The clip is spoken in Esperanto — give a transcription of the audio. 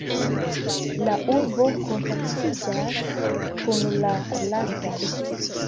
La urbo kontaktiĝas kun la lasta.